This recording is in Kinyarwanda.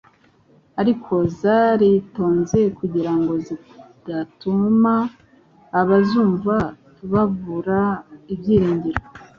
ariko zaritonze kugira ngo zidatuma abazumva babura ibyiringiro.